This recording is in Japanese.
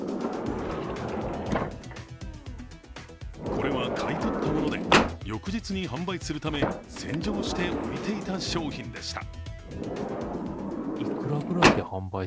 これは買い取ったもので翌日に販売するため洗浄して置いていた商品でした。